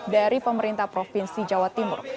dari pemerintah provinsi jawa timur